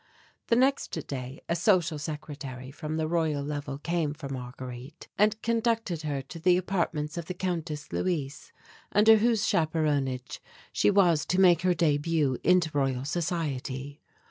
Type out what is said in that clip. The next day a social secretary from the Royal Level came for Marguerite and conducted her to the Apartments of the Countess Luise, under whose chaperonage she was to make her début into Royal Society.